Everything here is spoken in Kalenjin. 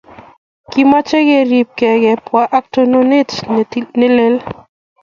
kimache keripkei kebwa ak tononet ne lel